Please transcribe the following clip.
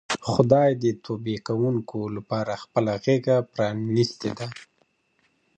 خدای د توبې کوونکو لپاره خپله غېږه پرانیستې ده.